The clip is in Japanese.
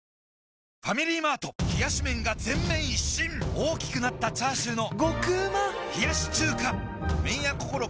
大きくなったチャーシューの麺屋こころ